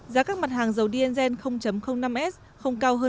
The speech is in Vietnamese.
giá các mặt hàng dầu diengen năm s không cao hơn một mươi ba đồng một lit